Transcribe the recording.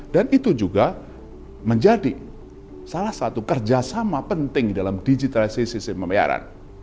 dan itu juga menjadi salah satu kerjasama penting dalam digitalisasi sistem pembayaran